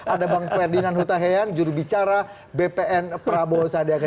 ada bang ferdinand hutaheyang juru bicara bpn prabowo sadiaga